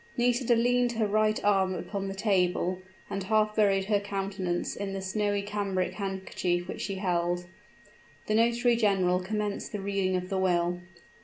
Nisida leaned her right arm upon the table, and half buried her countenance in the snowy cambric handkerchief which she held. The notary general commenced the reading of the will.